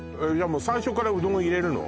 もう最初からうどんを入れるの？